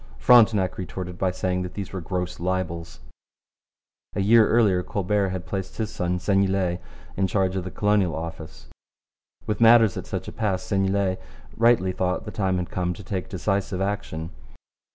Frontenac retorted by saying that these were gross libels. A year earlier Colbert had placed his son, Seignelay, in charge of the Colonial Office. With matters at such a pass Seignelay rightly thought the time had come to take decisive action.